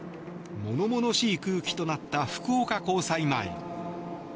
物々しい空気となった福岡高裁前。